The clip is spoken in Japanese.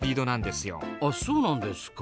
ああそうなんですか。